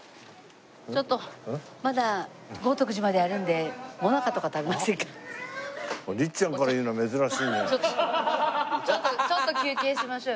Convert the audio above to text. ちょっとまだ豪徳寺まであるんでちょっとちょっと休憩しましょうよ。